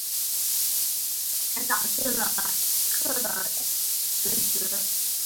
这也导致了里贝克的引咎辞职。